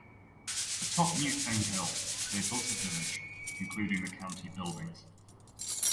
Atop Newfane Hill, they built a village, including the county buildings.